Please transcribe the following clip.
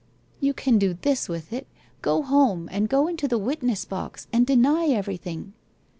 ' You can do this with it, go home and go into the witness box, and deny everything